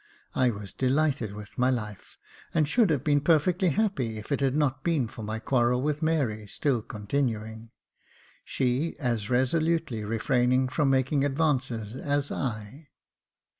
I vi^as delighted with my life, and should have been perfectly happy if it had not been for my quarrel with Mary still continuing, she as resolutely refraining from making advances as I.